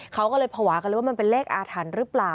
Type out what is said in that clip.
เขาก็เลยภาวะกันเลยว่ามันเป็นเลขอาถรรพ์หรือเปล่า